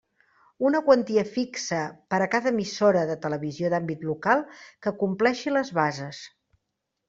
Una quantia fixa per a cada emissora de televisió d'àmbit local que compleixi les bases.